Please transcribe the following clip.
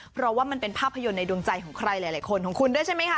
เพราะว่ามันเป็นภาพยนตร์ในดวงใจของใครหลายคนของคุณด้วยใช่ไหมคะ